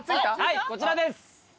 こちらです。